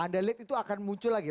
anda lihat itu akan muncul lagi